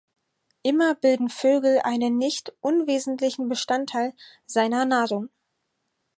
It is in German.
Immer bilden Vögel einen nicht unwesentlichen Bestandteil seiner Nahrung.